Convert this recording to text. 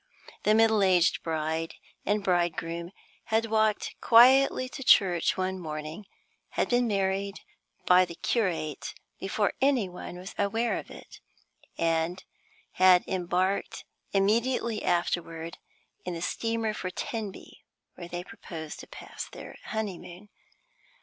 The middle aged bride and bridegroom had walked quietly to church one morning, had been married by the curate before any one was aware of it, and had embarked immediately afterward in the steamer for Tenby, where they proposed to pass their honeymoon.